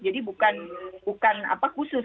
jadi bukan khusus